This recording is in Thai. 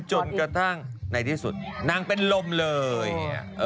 จนกระทั่งในที่สุดนางเป็นลมเลย